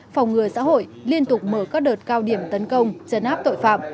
phòng ngừa xã hội liên tục mở các đợt cao điểm tấn công chấn áp tội phạm